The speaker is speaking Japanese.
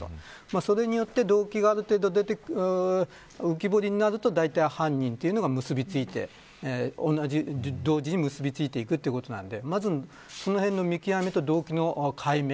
それによって動機がある程度浮き彫りになるとだいたい犯人が結びついていくということなのでそのへんの見極めと動機の解明。